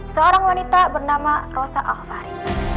seorang wanita bernama rosa alfari